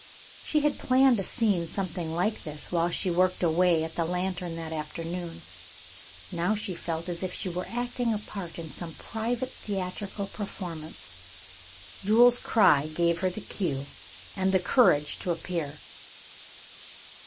She had planned a scene something like this while she worked away at the lantern that afternoon. Now she felt as if she were acting a part in some private theatrical performance. Jules's cry gave her the cue, and the courage to appear.